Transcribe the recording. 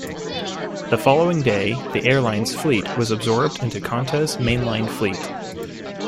The following day, the airline's fleet was absorbed into Qantas's mainline fleet.